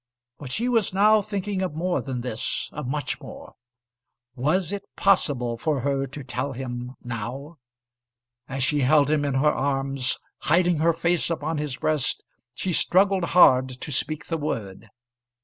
But she was now thinking of more than this of much more. Was it possible for her to tell him now? As she held him in her arms, hiding her face upon his breast, she struggled hard to speak the word.